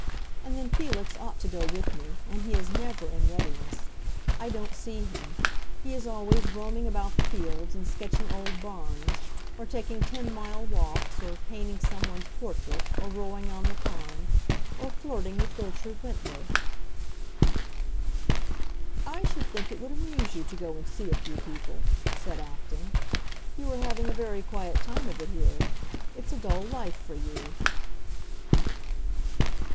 And then Felix ought to go with me, and he is never in readiness. I don't see him. He is always roaming about the fields and sketching old barns, or taking ten mile walks, or painting someone's portrait, or rowing on the pond, or flirting with Gertrude Wentworth." "I should think it would amuse you to go and see a few people," said Acton. "You are having a very quiet time of it here. It's a dull life for you."